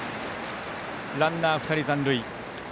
ランナー、２人残塁。